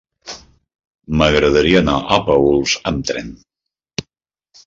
M'agradaria anar a Paüls amb tren.